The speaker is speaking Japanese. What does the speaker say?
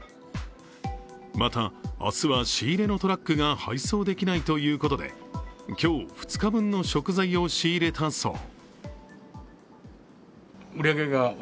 また、明日は仕入れのトラックが配送できないということで今日、２日分の食材を仕入れたそう。